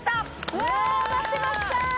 うわ待ってました。